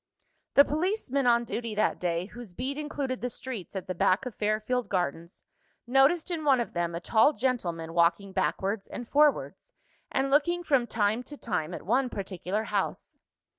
The policeman on duty, that day, whose beat included the streets at the back of Fairfield Gardens, noticed in one of them, a tall gentleman walking backwards and forwards, and looking from time to time at one particular house.